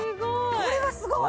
これはすごい！